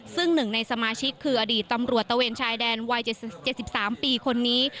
ซึ่งหนึ่งในสมาชิกคืออดีตตำรวจตะเวนชายแดนวัย๗๓ปีคนนี้